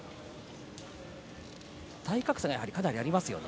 体格差がかなりありますよね。